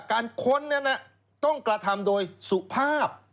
ค้นนั้นต้องกระทำโดยสุภาพ